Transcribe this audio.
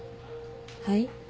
はい？